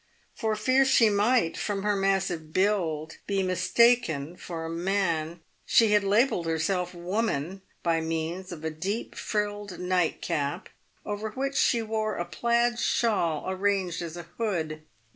For fear she might, from her massive build, be mistaken for a man, she had labelled herself " woman" by means of a deep frilled PAVED WITH GOLD. nightcap, over which she wore a plaid shawl arranged as a hood.